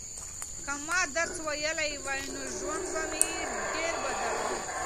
که ما درس ویلی وای نو ژوند به مې ډېر بدل و.